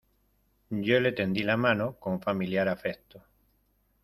yo le tendí la mano con familiar afecto: